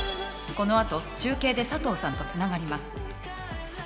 この後中継で佐藤さんとつながります。